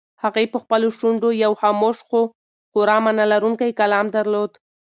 هغې په خپلو شونډو یو خاموش خو خورا مانا لرونکی کلام درلود.